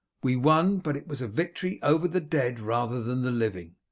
We won, but it was a victory over the dead rather than the living.